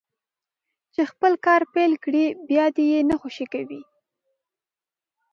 چې خپل کار پيل کړي بيا دې يې نه خوشي کوي.